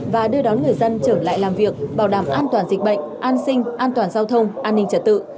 và đưa đón người dân trở lại làm việc bảo đảm an toàn dịch bệnh an sinh an toàn giao thông an ninh trật tự